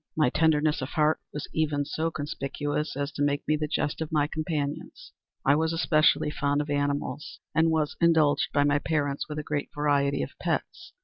My tenderness of heart was even so conspicuous as to make me the jest of my companions. I was especially fond of animals, and was indulged by my parents with a great variety of pets.